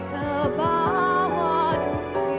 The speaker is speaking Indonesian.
ke bawah dunia tua